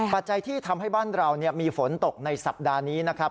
ปัจจัยที่ทำให้บ้านเรามีฝนตกในสัปดาห์นี้นะครับ